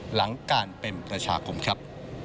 หลังการเป็นประชาคมครับ